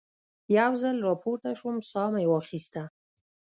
یو ځل را پورته شوم، ساه مې واخیسته.